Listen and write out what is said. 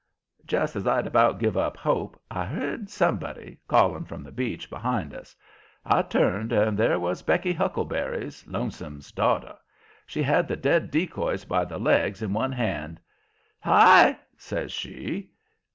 Just as I'd about give up hope, I heard somebody calling from the beach behind us. I turned, and there was Becky Huckleberries, Lonesome's daughter. She had the dead decoys by the legs in one hand. "Hi!" says she.